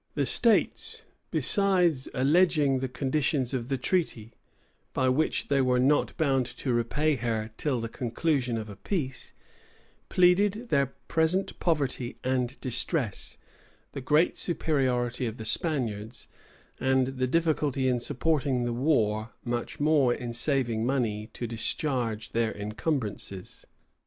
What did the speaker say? The states, besides alleging the conditions of the treaty, by which they were not bound to repay her till the conclusion of a peace, pleaded their present poverty and distress, the great superiority of the Spaniards, and the difficulty in supporting the war; much more in saving money to discharge their encumbrances.